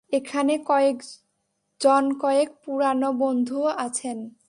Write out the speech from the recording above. এখানে জনকয়েক পুরানো বন্ধুও আছেন।